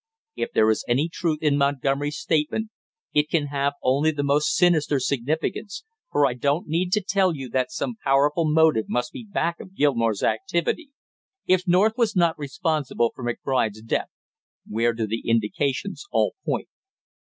If there is any truth in Montgomery's statement it can only have the most sinister significance, for I don't need to tell you that some powerful motive must be back of Gilmore's activity. If North was not responsible for McBride's death, where do the indications all point?